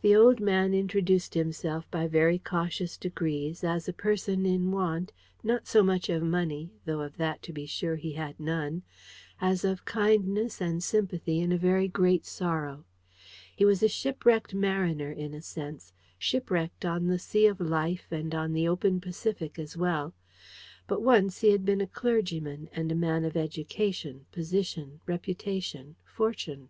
The old man introduced himself by very cautious degrees as a person in want, not so much of money, though of that to be sure he had none, as of kindness and sympathy in a very great sorrow. He was a shipwrecked mariner, in a sense: shipwrecked on the sea of Life and on the open Pacific as well. But once he had been a clergyman, and a man of education, position, reputation, fortune.